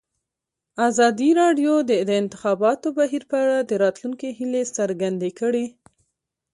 ازادي راډیو د د انتخاباتو بهیر په اړه د راتلونکي هیلې څرګندې کړې.